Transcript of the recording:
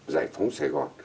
giải phóng sài gòn